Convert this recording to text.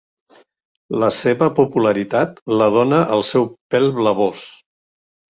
La seva popularitat la dóna el seu pèl blavós.